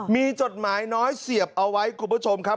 มีจดหมายน้อยเสียบเอาไว้คุณผู้ชมครับ